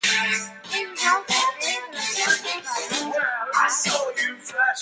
He was also editor of works by Mozart and Haydn.